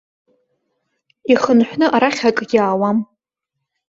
Ихынҳәны арахь акгьы аауам.